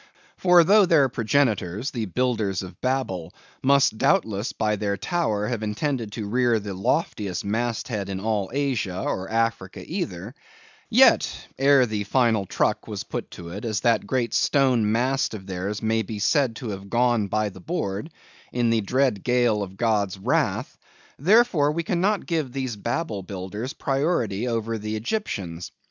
For though their progenitors, the builders of Babel, must doubtless, by their tower, have intended to rear the loftiest mast head in all Asia, or Africa either; yet (ere the final truck was put to it) as that great stone mast of theirs may be said to have gone by the board, in the dread gale of God's wrath; therefore, we cannot give these Babel builders priority over the Egyptians.